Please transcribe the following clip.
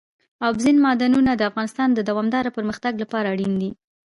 اوبزین معدنونه د افغانستان د دوامداره پرمختګ لپاره اړین دي.